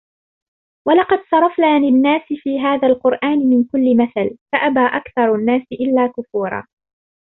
ولقد صرفنا للناس في هذا القرآن من كل مثل فأبى أكثر الناس إلا كفورا